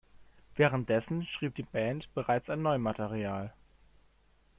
Währenddessen schrieb die Band bereits an neuem Material.